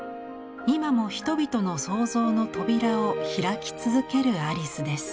今も人々の想像の扉を開き続けるアリスです。